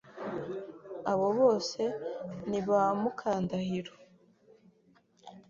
Abo bose ni ba Mukandahiro